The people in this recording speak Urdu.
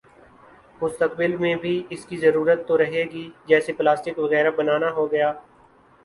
مستقبل میں بھی اس کی ضرورت تو رہے ہی گی جیسے پلاسٹک وغیرہ بنا نا ہوگیا